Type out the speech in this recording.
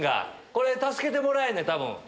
これ助けてもらえんねん多分。